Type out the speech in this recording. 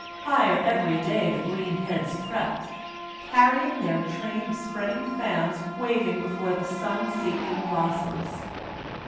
Higher every day the green heads crept, carrying their train of spreading fans wav ing before the stm seeking blossoms.